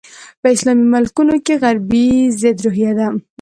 په اسلامي ملکونو کې غربي ضد روحیه ده.